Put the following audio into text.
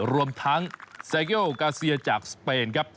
รวมทั้งเซโยกาเซียจากสเปนครับ